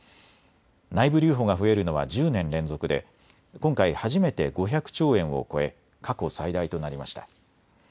内部留保が増えるのは１０年連続で今回初めて５００兆円を超え過去最大となりました。